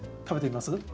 食べてみます？